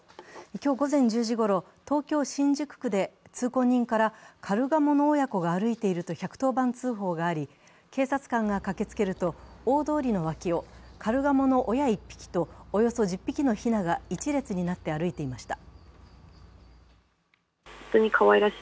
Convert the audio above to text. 今日午前１０時ごろ、東京・新宿区で通行人からカルガモの親子が歩いていると１１０番通報があり、警察官が駆けつけると大通りの脇をカルガモの親１匹とおよそ１０匹のひなが一列になって歩いていました。